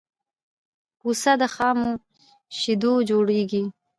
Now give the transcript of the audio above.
پوڅه د خامو شیدونه جوړیږی.